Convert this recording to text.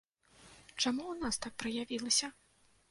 Чаму у нас так праявілася?